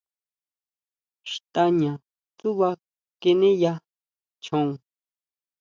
Xtaña tsúʼba keneya choon.